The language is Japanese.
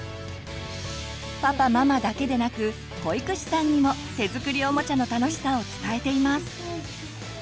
パパママだけでなく保育士さんにも手作りおもちゃの楽しさを伝えています。